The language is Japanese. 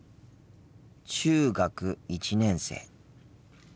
中学１年生。